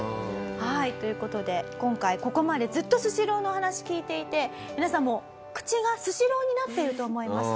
はいという事で今回ここまでずっとスシローのお話聞いていて皆さんもう口がスシローになってると思います。